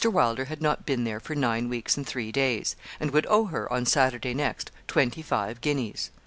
Wylder had not been there for nine weeks and three days; and would owe her, on Saturday next, twenty five guineas.